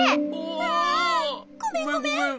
あごめんごめん。